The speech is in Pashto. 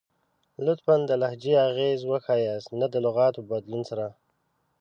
لطفاً ، د لهجې اغیز وښایست نه د لغات په بدلون سره!